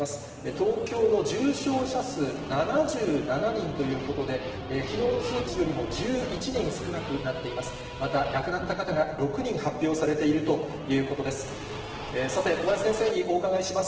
東京の重症者数、７７人ということで、きのうの数値よりも１１人少なくなっています。